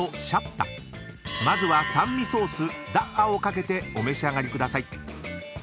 ［まずは酸味ソースダッアを掛けてお召し上がりください］